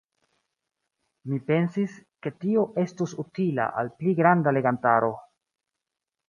Mi pensis, ke tio estus utila al pli granda legantaro.